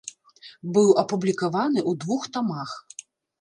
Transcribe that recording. Быў апублікаваны ў двух тамах.